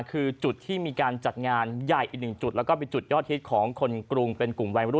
คือจุดที่มีการจัดงานใหญ่อีกหนึ่งจุดแล้วก็เป็นจุดยอดฮิตของคนกรุงเป็นกลุ่มวัยรุ่น